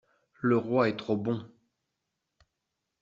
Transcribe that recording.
Le roi est trop bon.